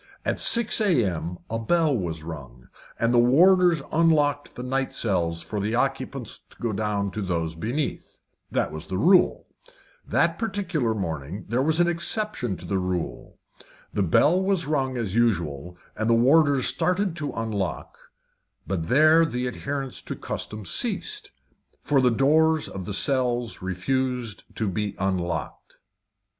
At six a.m. a bell was rung, and the warders unlocked the night cells for the occupants to go down to those beneath. That was the rule. That particular morning was an exception to the rule. The bell was rung as usual, and the warders started to unlock, but there the adherence to custom ceased, for the doors of the cells refused to be unlocked.